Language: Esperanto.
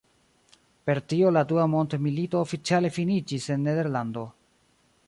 Per tio la dua mondmilito oficiale finiĝis en Nederlando.